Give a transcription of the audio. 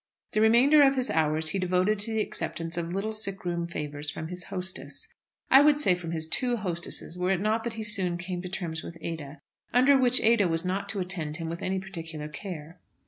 The remainder of his hours he devoted to the acceptance of little sick room favours from his hostess, I would say from his two hostesses, were it not that he soon came to terms with Ada, under which Ada was not to attend to him with any particular care.